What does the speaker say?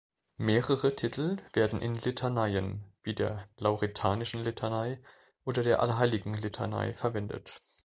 Mehrere Titel werden in Litaneien wie der Lauretanischen Litanei oder der Allerheiligenlitanei verwendet.